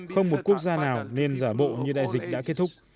không một quốc gia nào nên giả bộ như đại dịch đã kết thúc